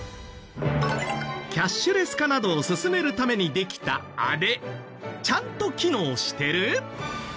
キャッシュレス化などを進めるためにできたあれちゃんと機能してる？